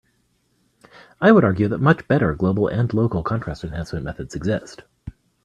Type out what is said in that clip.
I would argue that much better global and local contrast enhancement methods exist.